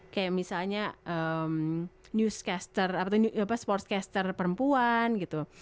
kayak misalnya sportscaster perempuan gitu